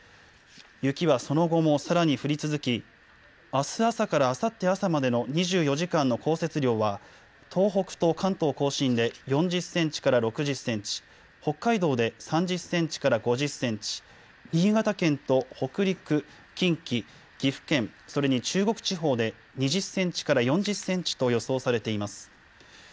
雪はその後もさらに降り続きあす朝からあさって朝までの２４時間の降雪量は東北と関東甲信で４０センチから６０センチ、北海道で３０センチから５０センチ、新潟県と北陸、近畿、岐阜県、それに中国地方で２０センチから４０センチと予想されています。